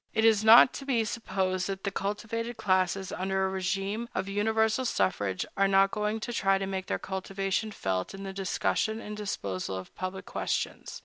It is not to be supposed that the cultivated classes, under a régime of universal suffrage, are not going to try to make their cultivation felt in the discussion and disposal of public questions.